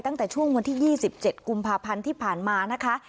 ตั้งแต่ช่วงวันที่๒๗กุมภาพันธ์ที่ผ่านมานะคะ